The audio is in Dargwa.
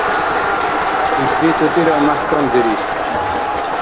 Ишди тӀутӀира мяхӀкамдирис.